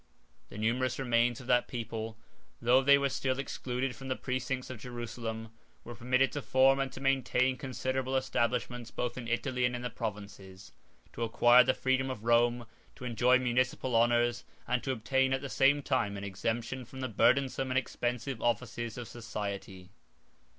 4 The numerous remains of that people, though they were still excluded from the precincts of Jerusalem, were permitted to form and to maintain considerable establishments both in Italy and in the provinces, to acquire the freedom of Rome, to enjoy municipal honors, and to obtain at the same time an exemption from the burdensome and expensive offices of society.